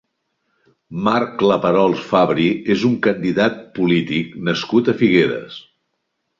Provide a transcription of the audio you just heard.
Marc Claparols Fabri és un candidat polític nascut a Figueres.